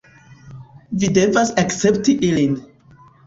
Vi devas akcepti ilin